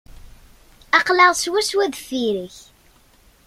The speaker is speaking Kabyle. Aql-aɣ swaswa deffir-k.